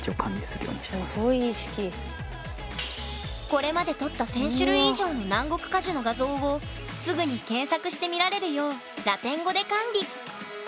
これまで撮った１，０００種類以上の南国果樹の画像をすぐに検索して見られるようラテン語で管理。